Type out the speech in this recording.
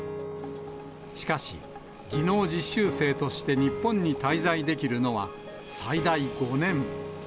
しかし、技能実習生として日本に滞在できるのは、最大５年。